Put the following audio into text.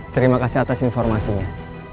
terima kasih atas informasinya